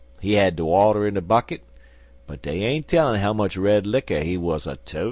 He had de water in a bucket, but dey ain't no tellin' how much red licker he wuz a totin'.